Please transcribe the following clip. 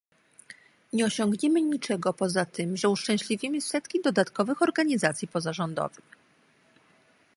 Nie osiągniemy niczego poza tym, że uszczęśliwimy setki dodatkowych organizacji pozarządowych